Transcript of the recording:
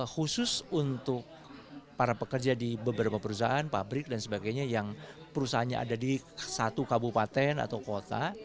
khusus untuk para pekerja di beberapa perusahaan pabrik dan sebagainya yang perusahaannya ada di satu kabupaten atau kota